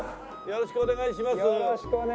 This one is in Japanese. よろしくお願いします。